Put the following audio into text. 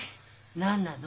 何なの？